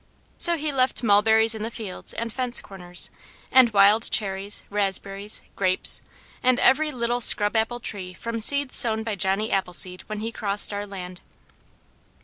So he left mulberries in the fields and fence corners and wild cherries, raspberries, grapes, and every little scrub apple tree from seeds sown by Johnny Appleseed when he crossed our land.